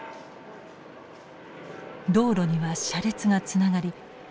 道路には車列がつながり